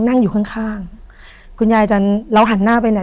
นั่งอยู่ข้างข้างคุณยายจะเราหันหน้าไปไหน